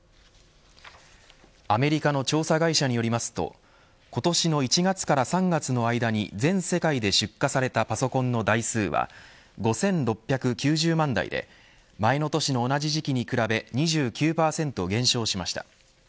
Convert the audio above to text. アメリカの調査会社によりますと今年の１月から３月の間に全世界で出荷されたパソコンの台数は５６９０万台で前の年の同じ時期に比べ２９％減少しました。